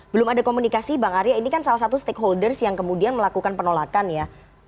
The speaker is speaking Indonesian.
belum ada komunikasi bang arya ini kan salah satu stakeholders yang kemudian melakukan penolakan ya